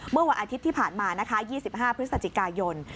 เมื่อวันอาทิตย์ที่ผ่านมานะคะ๒๕พฤศจิกายน